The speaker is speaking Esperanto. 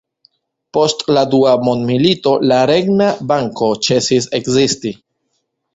Post la dua mondmilito la Regna Banko ĉesis ekzisti.